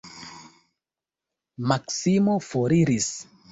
Maksimo foriris.